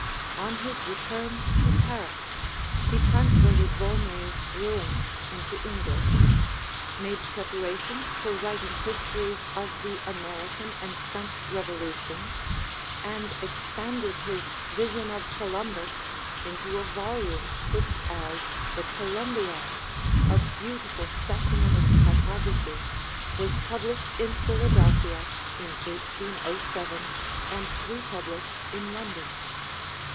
On his return to Paris he translated Volney's 'Ruins' into English, made preparations for writing histories of the American and French revolutions, and expanded his 'Vision of Columbus' into a volume which as 'The Columbiad' a beautiful specimen of typography was published in Philadelphia in 1807 and republished in London.